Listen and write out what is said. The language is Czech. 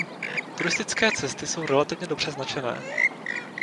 Turistické cesty jsou relativně dobře značené.